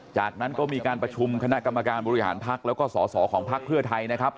จากนั้นก็มีการประชุมคณะกรรมการบริหารพักแล้วก็สอสอของพักเพื่อไทยนะครับ